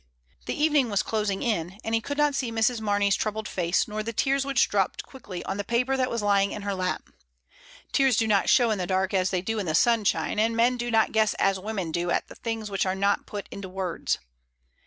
The evening was closing in, and he could not see Mrs. Mamey^s troubled face, nor the tears which dropped quickly on the paper that was lying in her lap — tears do not show in the dark as they do in the sunshine, and men do not guess as women do at the things which are not put into words.